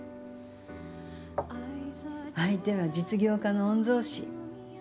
相手は実業家の御曹司。